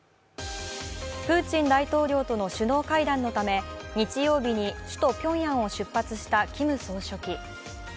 プーチン大統領との首脳会談のため日曜日に首都ピョンヤンを出発したキム総書記。